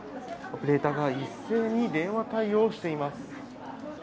オペレーターが一斉に電話対応しています。